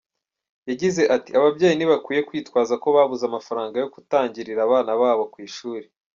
Yagize ati “Ababyeyi ntibakwiye kwitwaza ko babuze amafaranga yo gutangirira abana babo ku ishuli.